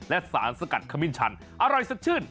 และสารสกัดขมิ้นชันอร่อยสดชื่น